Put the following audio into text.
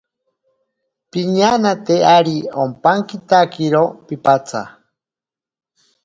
Piñanate ari ompankitakiro piipatsa.